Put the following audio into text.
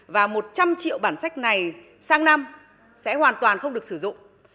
và một trăm linh triệu bản sách này sang năm sẽ hoàn toàn không được sử dụng